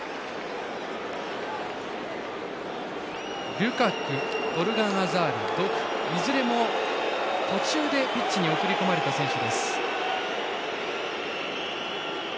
ルカク、トルガン・アザールドクいずれも途中でピッチに送り込まれた選手です。